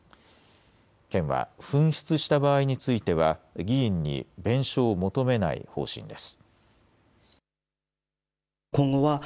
県は紛失した場合については議員に弁償を求めない方針です。